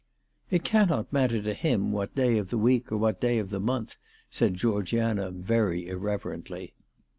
' It cannot matter to him what day of the week or what day of the month/ said Georgiana very irreverently.